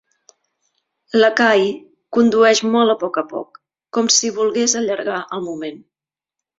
L'Ekahi condueix molt a poc a poc, com si volgués allargar el moment.